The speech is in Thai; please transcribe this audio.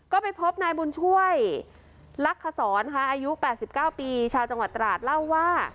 ก็ไปพบนายบุญช่วยลักษรอายุ๘๙ปีชาวจังหวัดตราดเล่าว่า